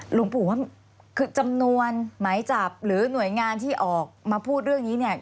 หลวงปู่ว่าคือจำนวนหมายจับหรือหน่วยงานที่ออกมาพูดเรื่องนี้เนี่ย